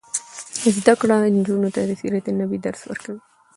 زده کړه نجونو ته د سیرت النبي درس ورکوي.